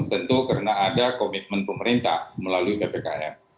tentu karena ada komitmen pemerintah melalui ppkm